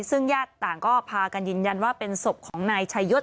ซึ่งญาติต่างก็พากันยืนยันว่าเป็นศพของนายชายศ